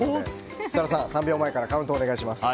設楽さん、３秒前からカウントお願いします。